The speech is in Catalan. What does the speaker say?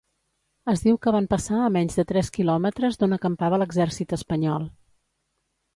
Es diu que van passar a menys de tres quilòmetres d'on acampava l'exèrcit espanyol.